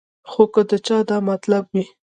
خو کۀ د چا دا مطلب وي